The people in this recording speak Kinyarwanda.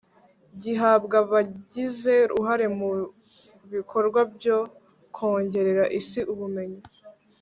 gihabwa abagize uruhare mu bikorwa byo kongerera isi ubumenyi